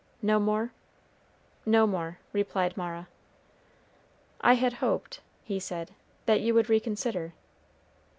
"No more?" "No more," replied Mara. "I had hoped," he said, "that you would reconsider."